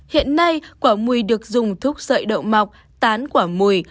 hiện nay quả mùi được dùng thuốc sợi đậu mọc tán quả mùi